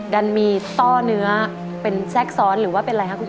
ดันมีต้อเนื้อเป็นแทรกซ้อนหรือว่าเป็นอะไรคะคุณพ่อ